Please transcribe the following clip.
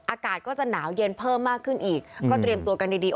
อากาศก็จะหนาวเย็นเพิ่มมากขึ้นอีกก็เตรียมตัวกันดีดี